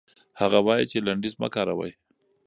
هغه وايي چې لنډيز مه کاروئ.